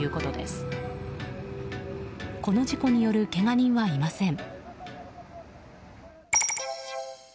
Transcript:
この事故によるけが人はいません。